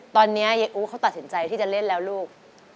ตอนนี้ยายอู๋เขาตัดสินใจที่จะเล่นแล้วลูก